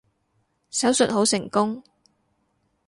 手術好成功